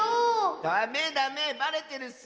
ダメダメバレてるッス！